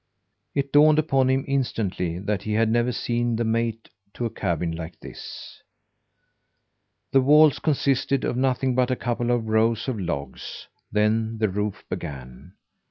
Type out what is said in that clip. It dawned upon him instantly that he had never seen the mate to a cabin like this. The walls consisted of nothing but a couple of rows of logs; then the roof began.